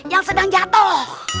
yang sedang jatoh